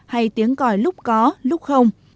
hay tiếng còi lúc có lúc không